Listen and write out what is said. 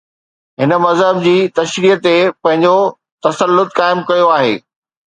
هن مذهب جي تشريح تي پنهنجو تسلط قائم ڪيو آهي.